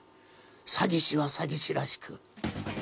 詐欺師は詐欺師らしく。